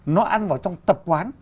nó ăn vào trong tập quán